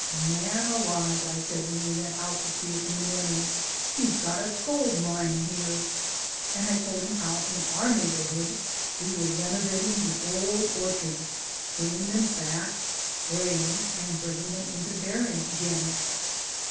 "Man alive," I said, when we went out to see it in the morning, "you've got a gold mine here!" And I told him how in our neighbourhood we were renovating the old orchards, pruning them back, spraying, and bringing them into bearing again.